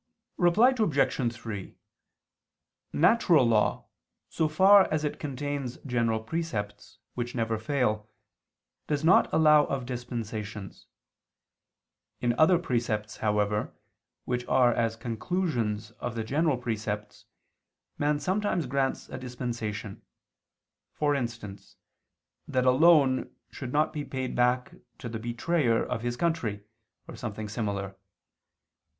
Reply Obj. 3: Natural law, so far as it contains general precepts, which never fail, does not allow of dispensations. In other precepts, however, which are as conclusions of the general precepts, man sometimes grants a dispensation: for instance, that a loan should not be paid back to the betrayer of his country, or something similar.